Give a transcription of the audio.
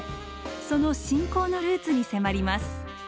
その信仰のルーツに迫ります。